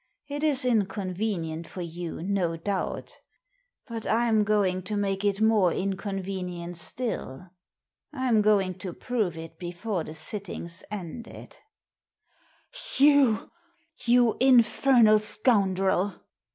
It is inconvenient for you, no doubt But I'm going to make it more inconvenient stilL I'm going to prove it before the sitting's ended" "You — ^you infernal scoundrel